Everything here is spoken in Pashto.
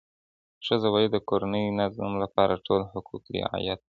ښځه باید د کورني نظم لپاره ټول حقوق رعایت کړي.